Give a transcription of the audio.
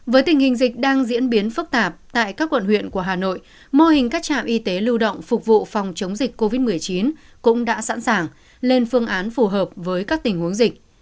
với tình hình dịch đang diễn biến phức tạp tại các quận huyện của hà nội mô hình các trạm y tế lưu động phục vụ phòng chống dịch covid một mươi chín cũng đã sẵn sàng lên phương án phù hợp với các tình huống dịch